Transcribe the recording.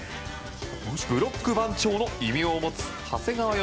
ブロック番長の異名を持つ長谷川徳